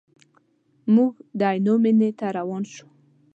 موږ د عینو مینې ته روان شوو.